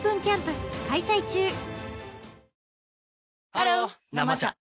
ハロー「生茶」